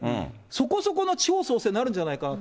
そこそこの地方創生になるんじゃないかなと。